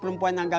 nomor satu lah